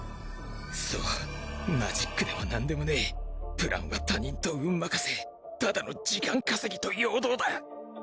そうマジックでも何でもねェプランは他人と運任せただの時間稼ぎと陽動だ。